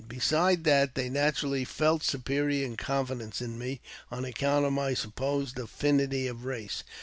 Besides that, they naturally felt superior confidence in me on account of my supposed affinity of race.